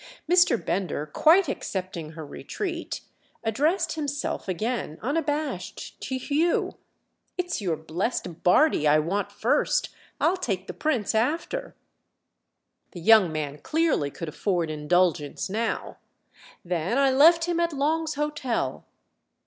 Mr. Bender, quite accepting her retreat, addressed himself again unabashed to Hugh: "It's your blest Bardi I want first—I'll take the Prince after." The young man clearly could afford indulgence now. "Then I left him at Long's Hotel."